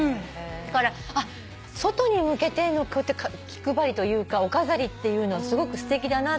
だから外に向けて気配りというかお飾りっていうのはすごくすてきだなって。